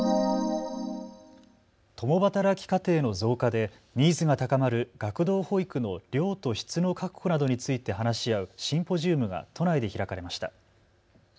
共働き家庭の増加でニーズが高まる学童保育の量と質の確保などについて話し合うシンポジウムが都内で開かれました。